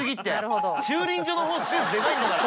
駐輪場のほうスペースでかいんだから。